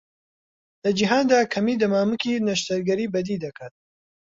لە جیهاندا کەمی دەمامکی نەشتەرگەری بەدیدەکرا.